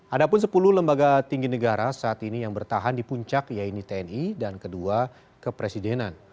ada pun sepuluh lembaga tinggi negara saat ini yang bertahan di puncak yaitu tni dan kedua kepresidenan